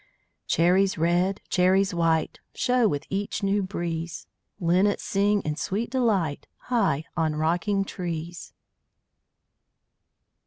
Cherries red, cherries white, Show with each new breeze. Linnets sing in sweet delight High on rocking trees.